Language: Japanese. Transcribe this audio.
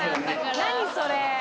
何それ。